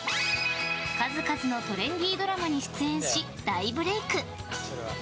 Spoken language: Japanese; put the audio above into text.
数々のトレンディードラマに出演し、大ブレーク。